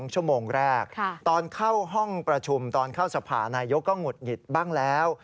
ชั่วโมงแรกตอนเข้าห้องประชุมตอนเข้าสภานายกก็หงุดหงิดบ้างแล้ว